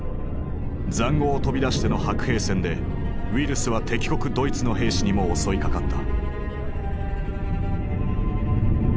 塹壕を飛び出しての白兵戦でウイルスは敵国ドイツの兵士にも襲いかかった。